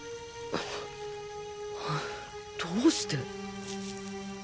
どうして。